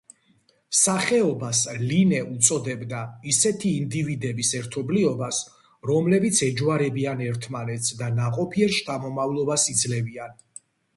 სახეობას ლინე უწოდებდა ისეთი ინდივიდების ერთობლიობას, რომლებიც ეჯვარებიან ერთმანეთს და ნაყოფიერ შთამომავლობას იძლევიან.